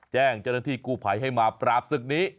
แจ้งเจ้าหน้าที่กู้ภัยให้มาปราบศึกนี้